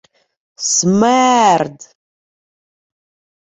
— Смерд!